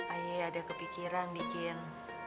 ayah ada kepikiran bikin